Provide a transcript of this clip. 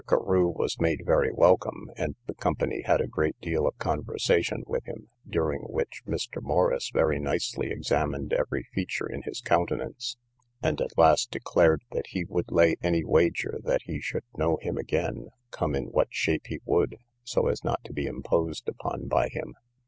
Carew was made very welcome, and the company had a great deal of conversation with him, during which Mr. Morrice very nicely examined every feature in his countenance, and at last declared, that he would lay any wager that he should know him again, come in what shape he would, so as not to be imposed upon by him.